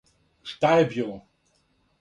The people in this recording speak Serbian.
Што је било.